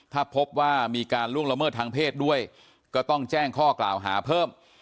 ถ้าพบว่ามีการล่วงละเมิดทางเพศด้วยก็ต้องแจ้งข้อกล่าวหาเพิ่ม